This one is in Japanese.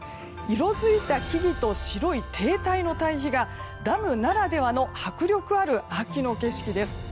色づいた木々と白い堤体の対比がダムならではの迫力ある秋の景色です。